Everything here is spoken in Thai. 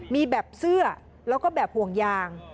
มีแบบเสื้อแล้วก็แบบห่วงยาง